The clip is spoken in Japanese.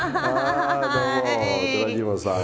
どうも寺島さん。